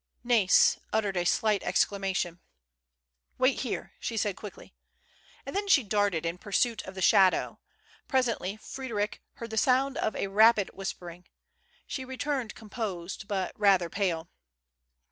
Nais uttered a slight excla mation. Wait here," she said quickly. And then she darted in pursuit of the shadow. Pres* ently Fr^d^ric heard the sound of a rapid whispering. She returned composed, but rather pale.